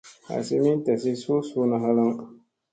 Asi min tasi su suuna halaŋ.